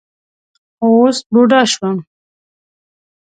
خو اوس بوډا شوم.